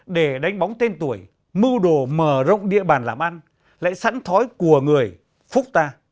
để đánh bóng tên tuổi mưu đồ mở rộng địa bàn làm ăn lại sẵn thói của người phúc ta